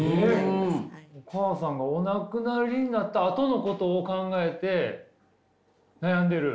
お母さんがお亡くなりになったあとのことを考えて悩んでる？